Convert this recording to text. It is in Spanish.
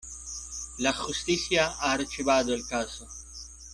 La justicia ha archivado el caso.